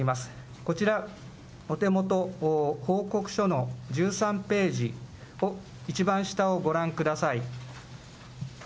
こちら、お手元報告書の１３ページを、一番下をご覧ください。